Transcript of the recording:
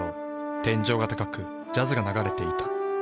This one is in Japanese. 天井が高くジャズが流れていた。